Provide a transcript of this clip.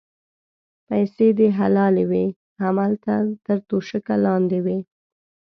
پیسې دې حلالې وې هملته تر توشکه لاندې وې.